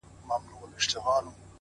• د غمونو درته مخ د خوښۍ شا سي,